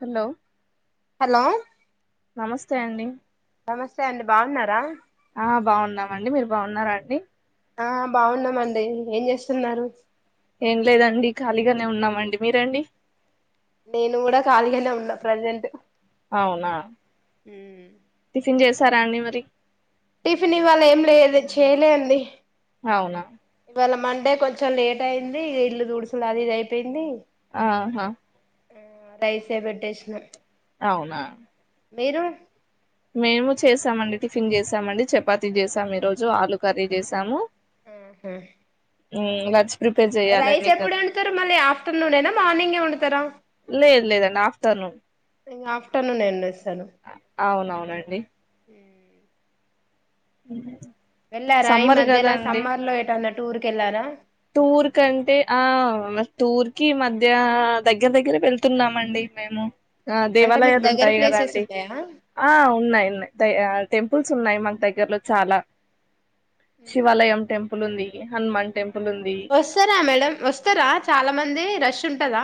Hello hello నమస్తే అండి నమస్తే అండి బాగున్నారా ఆ బాగున్నామండి మీరు బాగున్నారు ది ఆ బాగున్నామండి ఏం చేస్తున్నారు ఏం లేదండి ఖాళీగానే ఉన్నామండి మీరండి నేను కూడా ఖాళీగానే ఉన్నా ప్రజెంట్ అవునా పన్ చేసారా అండి మరి టిఫిన్ ఇవాళ ఏం లేదు చేయలే అడి అవునా ఇవాళ మండే కొంచెం లేట్ అయింది ఇల్లు తుడుసుడు అది ఇది అయిపోయింది ఆహా ఆ రైసె పెట్టేసిన అవునా మీరు మేము చేసామండి టిఫిన్ చేసామండి చపాతి చేసాం ఈ రోజు ఆలు కర్రీ చేసాము [unintelligible] ఇంగ్లచ్ రైస్ ఎప్పుడు వండుతారు మళ్ళీ ఆఫ్టర్నూనేనా మార్నింగే వండుతారా లేదు లేదండి ఆఫ్టర్నూన్ ఇంగ ఆఫ్టర్నూనే వండేస్త అవునవునండి వెళ్ళారా ఇ సమ్మర్ మధ్యలో కదండి సమ్మర్ లో ఎటైనా టూర్ కెల్లారా టూర్ కంటే ఆ టూర్ కి మధ్య దగ్గర దగ్గరే వెళ్తున్నామండి మేము ఆ అంటే మీకు దేవాలయాలు దగ్గర ఉంటాయి ప్లేసెస్ కదాండి ఉన్నాయా ఆ ఉన్నాయి ఉన్నాయి దయ్య టెంపుల్స్ ఉన్నాయి మాకు దగ్గరలో చాలా ఉహు శివాలయం టెంపులుంది హనుమాన్ టెంప్ వస్తారా మేడం వస్తారా చాలా మంది రష్ ఉంట్ కదా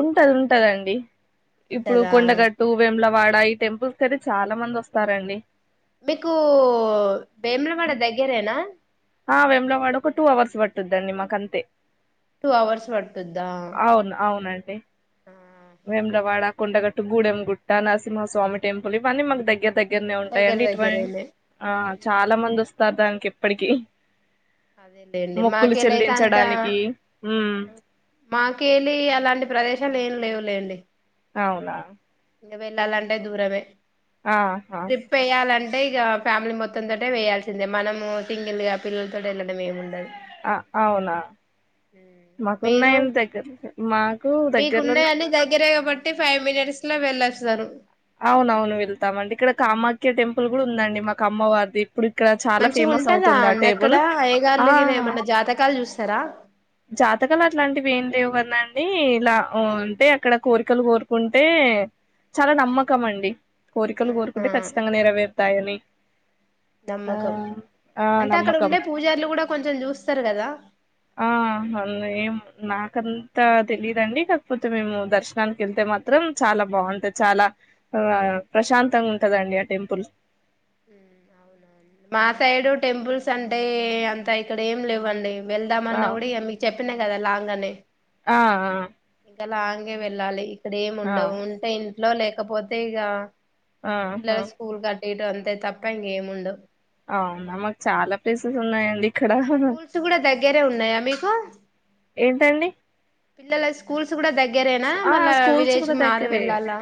ఉంటది ఉంటదండి ఇప్పుడు ఉంటదా కొండగట్టు వెమ్లవాడ ఆ ఈ టెంపుల్స్ కయితే చాలా మంది వస్తారండి మీకూ బెమ్లవాడ దగ్గరేనా ఆ వెేములవాడ ఒక టూ అవర్స్ పట్టుద్దండి మాకంతే టూ అవర్స్ పట్టుద్దా అవును అవునండి ఆహు వేములవాడ కొండగట్టు గూడెంగుట్ట నరసింహస్వామి టెంపుల్ ఇవన్నీ మాకు దగ్గర దగ్గ దగ్గరనే దగ్గర ఉంటాయిండి ఇటువై దగ్గరేలే ఆ చాలా మంది వస్తారు దానికి కెప్పటికి అదేలేండి మొక్కులు మాకేలైతే అంత చెల్లించడానికి ఉ మాకేలి అలాంటి ప్రదేశాలు ఏం లేవులేండి అవునా మేం వెళ్ళాలంటే దూరమే ఆ హ అంటే ఇగ ఫ్యామిలీ మొత్తం తోటే వేయాల్సిందే మనము సింగిల్ గా పిల్లలు తోడు వెళ్ళడంముండదు ఆ అవునా మాకున్నా ఏం తగ్గదు మా మీకున్నాయని దగ్గరే కాబట్టి ఫైవ్ మినిట్స్ లో వెళ్ళచ్చు సరు అవున అవును వెళ్తామ అండి ఇక్కడ కామాఖ్య టెంపుల్ కూడా ఉందండి మాకు అమ్మవారిది ఇప్పుడు ఇక్కడ చాలా మంచిగా ఫేమస్ ఉంటదా అవుతుంది ఆ అండి టేబుల్ అక్కడ ఆ అయ్యగార్లు గిన ఏమన్నా జాతకాలు చూస్తారా జాతకాలు అట్లాంటివి ఏంటి లేవు కన్నాండి ఇలా అంటే అక్కడ కోరికలు కోరుకుంటే చాలా నమ్మక క్కమండి కోరికలు ఆహా కోరుకుంటే ఖచ్చితంగా నెరవేరుతాయని ఆ నమ్మకం ఆ అంటే అక్కడ నమ్మకం ఉండే పూజలు కూడా కొంచెం చూస్తారు కదా ఆ అం నాకంతా తెలిదండి కాకపోతే మేము దర్శనానికి వెళ్తే మాత్రం చాలా బాగుంటది చాలా ఆ ప్రశాంతంగా ఉంటదండి ఆ టెంపుల్స్ అవున మా సైడు టెంపుల్స్ అంటే అంత ఇక్కడ ఏం లేవండి వెళ్దాం ఆ అన్న కూడా మీకు చెప్పినా జద లాగా అనే ఆ వెళ్ళలి ఇక్కడేం ఆ ఉండవు ఆ, ఉంటాయి లో లేకపోతే ఇక ఆహా పిల్లాల స్కూల్ కట్ట ఇటు అంతే తప్ప ఇం ఏము ఉండ అవునా మాకు చాలా ప్లేసెస్ ఉన్నాయండి ఇక్కడ స్కూల్స్ కూడా దగ్గరే ఉన్నాయా మీకు ఏంటండి పిల స్కూల్స్ కూడా దగ్గరేనా ఆ మళ్ళా స్కూల్స్ విలేజ్ కూడా క మారి దగ్గరే వెళ్ళాలా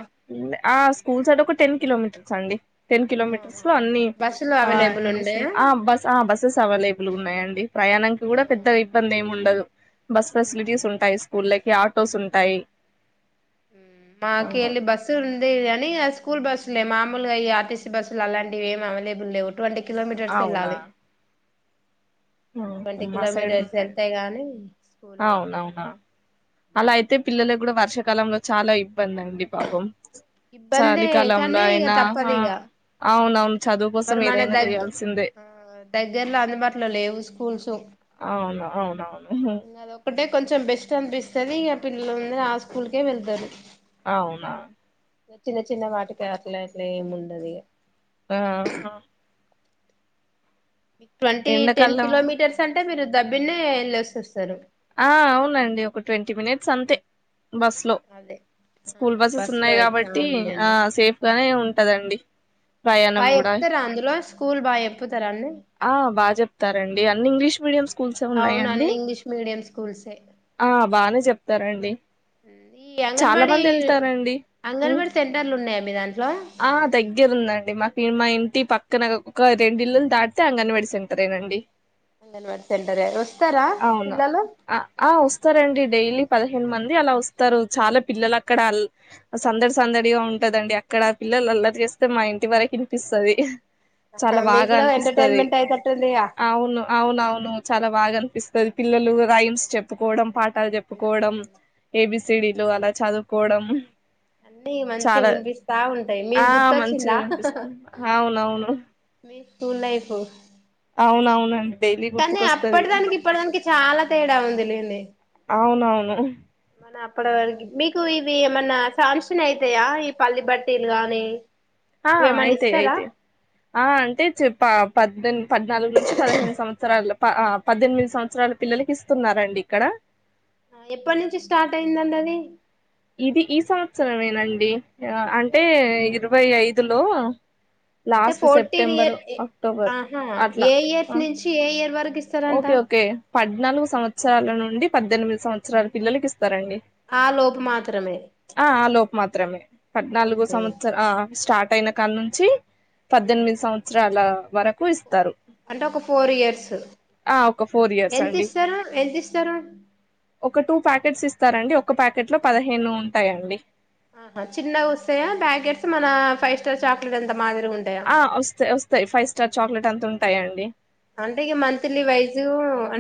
ఆ స్కూల్ సడ్ ఒక టెన్ కిలోమీటర్స్ అండి టెన్ కిలోమీటర్స్ ఆహా లో అన్ని బస్సులు అవైలబుల్ ఉండయా బస్ ఆ బస్సెస్ అవైలబుల్ ఉన్నాయంండి ప్రయాణానికి కూడా ఉహు పెద్ద ఇబ్బంది ఏమిండ స బస్ ఫెసిలిటీస్ ఉంటాయి స్కూళ్ళకి ఆటోస్ ఉంటాయి మాకి అలి బస్సు ఉంద స్కూల్ బస్సులే మామలుగా ఈ ఆర్టీసీ బస్సులు అలాంటివి ఏమి అవైలబుల్ లేవు ట్వంటీ కిలోమీటర్స్ అవునా వెళ్ళాలి ట్వంటీ మా సైడ్ కిలోమీటర్స్ ఉన్నాయిడి వెళ్తే గాని స్కూల్ అవునవునా అలా అయితే పిల్లల కూడా వర్షకాలంలో చాలా ఇబ్బంది అండి పాపం ఇబ్బందే చాలికాలంలో కానీ ఇక తప్పదు అయినాఆ ఇక అవునవును చదువు కోసం మరి మన ఏదైనా దగ్గర చేయాల్సిందే దగ్గర్లో అందుబాటులో లేవు స్కూల్స్ అవును అవునవును ఇంక అది ఒక్కటే కొంచెం బెస్ట్ అనిపిస్తుది ఇక పిల్లలందరు ఆ స్కూల్కే వెళ్తారు అవునా చిన్న చిన్న వాటికి అట్లా అట్లా ఏమి ఉండదు హమ్ మీ ట్వంటీ టెన్ ఎండాకాలం కిలోమీటర్స్ అంటే మీరు డబ్బిన్న ఎలేసి వస్తారు ఆ అవునండి ఒక ట్వంటీ మినిట్స్ అంతే బస్ లో అదే ఆ స్కూల్ బస్సెస్ బస్సు లో ఉన్నాయి అయితే కాబట్టి ఆ అవునులేండి సేఫ్ గానే ఉంటదండి ప్రయాణం బాగా కూడా చెప్తారా అందులో స్కూల్ బాగా చెప్పుతారా అండి ఆ బాగా చెప్తారండి అన్ని ఇంగ్లీష్ మీడియం స్కూల్స్ ఏ అవును ఉన్నాయండి అన్ని ఇంగ్లీష్ మీడియం స్కూల్సే బాగానే చెప్తారండి హ్మ్. ఈ చాలా అంగన్వాడీ మంది వెళ్తారండి ఉమ్ అంగన్వాడీ సెంటర్లు ఉన్నాయా మీ దాంట్లో ఆ దగ్గరుందండి మాకు మా ఇంటి పక్క ఇక్క ఒక రెండి ఇల్లులు దాటితే అంగని వడిసింటారేనండి అంగన్వాడి సెంటరే వస్తారా అవునా పిల్లలు ఆ ఆ వస్తారండి డైలీ పదిహేను మంది అలా వస్తారు చాలా పిల్లలు అక్కడ అల్ సందడి సందడిగా ఉంటదండి అక్కడ పిల్లలు అల్లరి చేస్తే మా ఇంటి వరకు వినిపిస్తది ఆహా! చాలా మీకు బాగా కూడా అనిపిస్తది ఎంటర్టైన్మెంట్ అయితట్టుందిగా అవును అవును అవును చాలా బాగా అన్ పిస్త పిల్లలు రైల్ చెప్పుకోవడం పా టల్ చెప్పుకోవడం ఏబిస్ సిడీలు అలా చదువుకోవడం అన్నీ మంచిగా చాలా వినిపిస్తా ఉంటాయి మీరు ఆ మంచిగా గుర్తొచ్చిందా హా హ హ వినిపిస్తుంది అవునవును మీ స్కూలైఫు అవునవునండి డైలీ కానీ అప్పటి గుర్తుకొస్తది దానికి ఇప్పటి దానికి చాలా తేడా ఉంది లేండి అవునవును మన అప్పటి వరకు మీకు ఇ ఇవి ఏమన్నా చాసన్ అయితాయ ఈ పల్లి బట్టీలు గానీ ఆ ఇవేమన్నా అయితయ్ ఇస్తారా అయితయ్ ఆ అంటే చె ప పద్ పద్నాలుగు నుంచి పదిహేను సంవత్సరాలో ఆ పద్దెనిమిది సంవత్సరాల పిల్లలకి ఇస్తున్నారండి ఇక్కడ ఎప్పటి నుంచి స్టార్ట్ అయిందండి అది ఇది ఈ సంవత్సరంమేనండి అంటే ఇరవై ఐదులు హలో అంటే ఫోర్టీన్ అక్టోబర్ ఇయర్హా అట్లా ఏ ఇయర్ ఆ! నుంచి ఏ ఇయర్ వరకు ఇస్తారంట ఓకే ఓకే పద్నాలుగు సంవత్సరాల నుండి పద్దెనిమిది సంవత్సరాల పిల్లలకి ఆ లోపు మాత్రమే ఆ లోపు మాత్రమే పద్నాలుగో ఓకే సంవత్సర స్టార్ట్ తైన కాళ నుంచి పద్దెనిమిది సంవత్సరాల వరకు ఇస్తారు అంటే ఒక ఫోర్ ఇయర్స్ ఆ ఒక ఫోర్ ఇయర్స్ ఎంత అండి ఇస్తారు ఎంత ఇస్తారు ఒక టూ ప్యాకెట్స్ ఇస్త స్తారండి ఒక ప్యాకెట్ లో పదిహేను ఉంటాయండి ఆహా చిన్నగా వస్తాయా బ్యాగెట్స్ మన ఫైవ్ స్టార్ చాక్లెట్ ఎంత ఆ వస్తయి వస్తాయి ఫైవ్ స్టార్ చాక్లలేట్ అంత టాయండి అంటే మంత్లీ వైజ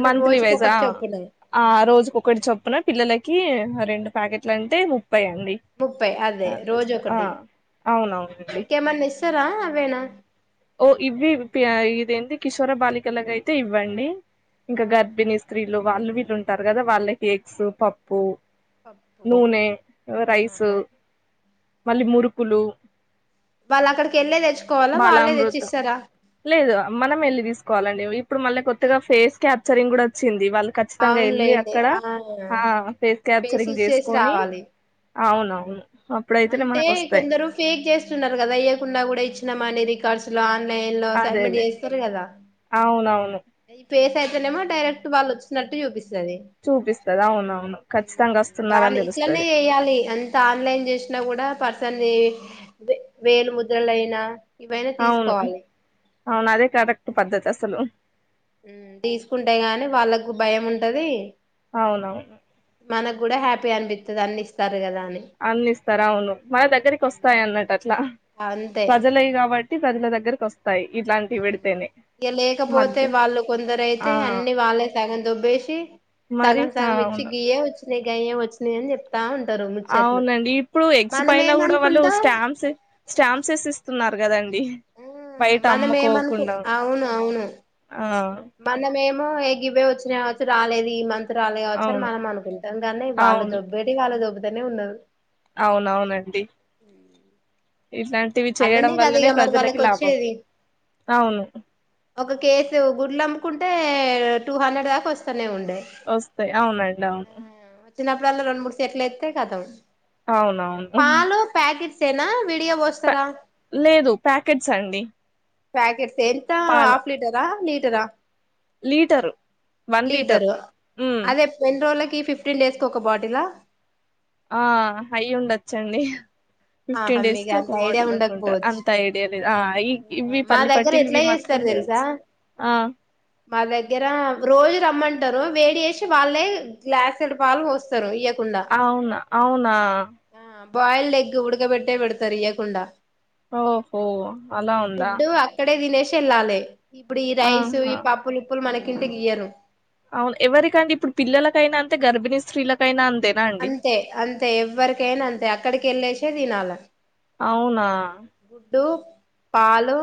మంత్లీ వైజా ఆ రోజుకటి చొప్పున పిల్లల రెండు ప్యాకెట్లు అంటే ము ప్పడి ముప్పై అదే రోజు ఒకటి అవునవునండి ఇంకేమన్నా ఇస్తారా అవేనా ఓ ఇవి ఏదిఎంది కిషోర బాలికలుగా అయితే ఇవ్వండి ఆ ఇంకా గర్భిణీ స్త్రీ వాళ్ళు వీళ్ళు ఉంటారు కదా వాళ్ళ కేక్స్ పప్పు పప్పు నూనె రైస్ ఆహా మళ్ళీ మురుకులు వాళ్ళు అక్కడికి వెళ్ళే తెచ్చుకోవాలా వాళ్ళే బాలామృత్ తెచ్చిస్తారా లేదు మనం వెళ్ళి తీసుకోవాలండి ఇప్పుడు మళ్ళీ కొత్త ఫేస్ క్యాప్చరింగ్ కూడా వచ్చింది వాళ్ళు ఖచ్చితంగా వెళ్ళి అవునులేండి అక్కడ ఆ ఆ ఫేస్ పేసి క్యాప్చరింగ్ ఇచ్చేసి చేసుకని రావాలి అవునవును అప్పుడైతేనే అంటే మనకు వస్తాయి కొందరు ఫేక్ చేస్తున్నారు కదా ఇయ్యకుండా కూడా ఇచ్చిన మానేరి కసలా ఆన్లైన్ లో అదే అసైన్మెంట్ చేస్తారు కదా ఓే ఈ ఫేస్ అయితేనేమోడైరెక్ట్ వాళ వచ్చినట్టుూపిస్త చూపిస్తది అవునవును ఖచ్చితంగా బా వస్తున్నారని ఇట్లనే తెలుస్తది చేయాలి అంత ఆన్లైన్ చేసిన కూడా అంది వేలు ముద్రల అయినా ఇవైనా అవును తీసుకోవాలి అవును అదే కరెక్ట్ పద్ధతి అసలు తీసుకుంటే గాని వాళ్ళకు భయం ఉంటది అవునవును మనకు కూడా హ్యాపీ అనిపిస్తది అన్ని ఇస్తారు కదా అని అందిస్తారుా అవును మన దగ్గరికి వస్తాయి అన్నట్ అట్లా అంతే ప్రజలవి కాబట్టి ప్రజల దగ్గరవస్ ఇక లేకపోతే మధ్య వాళ్ళు కొందరు అయితే ఆ అన్ని వాళ్ళే సగం దబ్బేసి మరి సగం ఆ సగం ఇచ్చి అవును గియే వచ్చ నిగ యే వచ్చినయి అని చెప్తా ఉ అవునండి ఇప్పుడు ఎగ్స్ పైన కూడా వాళ్ళు మనమేమనుకుంటాం స్టాంప్స్ స్టాంప్స్ వేసి ఇస్తున్నారు కదండి ఆ బయట మనం ఏమనుకు అమ్మకోకుండా అవును అవును ఆ మనమేమో ఎగి ఇవే వచ్చినవచ్చు రాలేదు ఈ మంత్ రాలేవచ్చ అని అవును మనం అనుకుంటాం కానీ వాళ్ళు దొబేటీ టి వాళ్ళ దోబు ఉన్నారు అవునువునండి అల్లనే కదా వల్లనే ఇక మరి ప్రజలకి వాళ్ళకు లాభం వచ్చేది అవును ఒక కేసు గుడ్లం కుంటే టూ హండ్రెడ్ దాకా వస్తాయి వస్తాయి అవునండి అవును చిన్నప్పుడల్లా రెండు మూడు సెట్లు ఎతే కతం అవునవును పాలో ప్యాకెట్ సేన వీడియో వస్ ప తరా లేదు ప్యాకెట్స్ అండి పాకెట్స్ ఎంత పాల హాఫ్ లీటరా లి లీటరా లీటరు వన్ లీటరు అదే ఎన్ని రోజులకి ఫిఫ్టీన్ డేస్కి ఒక బటిలా ఆ హై ఉండొచ్చండి ఆహా ఫిఫ్టీన్ డేస్ మీకు కి అంత ఒక ఐడియా బాటిల్ అనుకుంట ఉండకపోవచ్చు అంత ఐడియా లేదు ఇవి మా దగ్గర పల్లిలు ఎట్లా ఇవి చేస్తారు మాత్రం తెలుసా తెలుసు ఆ మా దగ్గర రోజు రమ్మంటారు వేడి చేసి వాళ్ళే గ్లాస్డ్ పాలు పోస్తారు ఇ అవునా అవునా బయిల్డ్ ఎగ్ ఉడ ఉండక పెట్ ఏ పెడ్తారు ఇయకుండా ఓహో అలా ఉందా చెల్లలే ఇప్పుడు ఈ రైస్ ఈ ఆహా పాప్పులు ఉప్పులు మనకి కింటికి ఇయరు అవును ఎవరికండి ఇప్పుడు పిల్లలకైనా అంతే గర్భిణీ స్త్రీలకైనా అంతే అంతే అంతే ఎవ్వరికైనా అంతే అక్కడికి వెళ్ళే చేది నాల అవునా గుడ్డు పాలు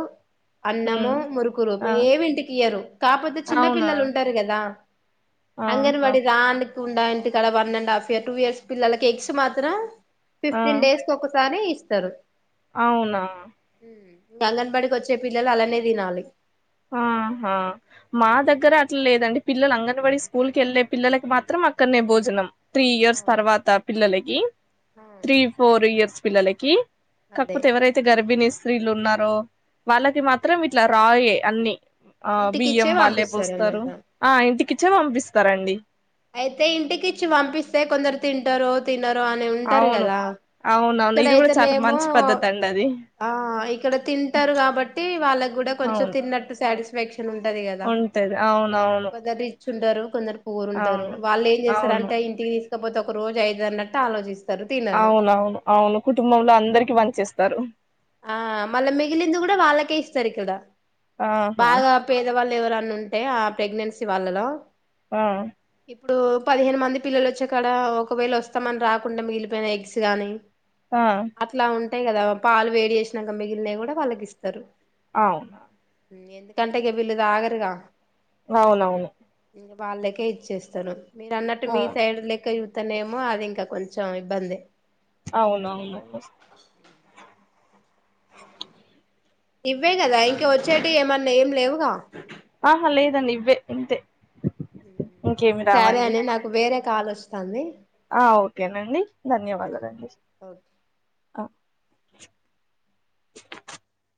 అన్నము ఉమ్ మురుకురు ఆ ఏమింటికి ఇయ్యరు కాకపోతే చిన్న అవునా పిల్లలు ఉంటారు కదా హంగేన్ ఆహా మదా అందు ఉండా ఇంటి కడ one and half year two years పిల్లకి ఎక్స్ మాత్రం ఆ ఫిఫ్టీన్ డేస్ క ఒకసారి ఇస్తారు అవునా గంగన్బడికి వచ్చే పిల్లలు అలానే తినాలి ఆహా మా వి దగ్గర అట్లా లేదండి పిల్లల అంగన్వాడి స్కూల్ క వెళ్ళలే పిల్లకి మాత్రం అక్కనే భోజనం త్రీ ఆ ఇయర్స్ తర్వాత పిల్లలకి ఆ జ త్రీ ఫోర్ ఇయర్స్ పిలకి అదే కాకపోతే ఎవరైతే గర్భిని ఇస్త స్త్రీలు ఉన్నారు వాళ్ళకి మాత్రం ఇట్లా రాయ అన్నీ ఆ బియ్యం ఇంటికిచ్చే వాళ్ళే పంపిస్తారు పోస్తారు అన్నట్టు ఆ ఇంటికి వచ్చే పంపిస్తారంండి అయితే ఇంటికి ఇచ్చి పంపిస్తే కొందరు తింటారు తినరు అని ఉంటారు అవును కదా అవునవును ఇది కూడా చాలా ఇక్కడయితేనేమో మంచి పద్ధతి అండి అది ఇక్కడ తింటారు కాబట్టి వాళ్ళకు కూడా కొంచెం అవును తిన్నట్టు సాటిస్ఫై వెక్ ఉంటది అవునవును చుండరు కొందరు అవును పవ వాళ్ళు ఏం చేస్తార అవును అంటే ఇంటికి తీసు కాకపోతే ఒక రోజు అఐదు అన్నట్టు ఆలోచిస్తంది అవునవును అవును కుటుంబంలో అందరికి పని చేస్త తరు ఆ మళ్ళా మిగిలింది కూడా వాళ్ళకే ఇస్తారు ఇక్కడ ఆహా బాగా పేదవాళ్ళు ఎవరు ఉంటే ఆ ప్రెగ్నెన్సీ వాళ్లలో ఆ ఇప్పుడు పదిహేను మంది పిల్లలు వచ్చే కాడ ఒకవేళ వస్తామని రాకుండా మిగిలిపోయిన ఎగ్స్ గాని ఆ టయికద పాలు వే జేసినాంక మిగిలినయి కూడా వాళ్ళకి ఇస్తరు అవును కంటేక వీళ్ళు తాగరుగా అవును అవును వాళ్ళకే ఇచ్చేస్తరు మీరు అన్నట్టు ఆ మీ సైడ్ లెక్క అతనేమో అది ఇంకా కొంచెం ఇబ్బంది అవును అవును ఇవ్వే కదా ఇ ఇవచ్చేటివి ఏమన్నా ఏం లేవు ఆ ఆహా లేదండి ఇవ్వే ఇంతే ఇంకేమి సరే రావండి అండి నాకు వేరే కాల్ వస్తంది ఆ ఓకేనండి ధన్యవాదాలండి ఓకే ఆ